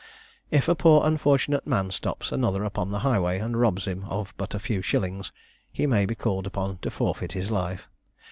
"If a poor unfortunate man stops another upon the highway, and robs him of but a few shillings, he may be called upon to forfeit his life.